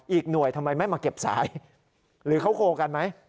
อีกหน่วยทำไมไม่มาเก็บสายหรือเขาโคลกันไหม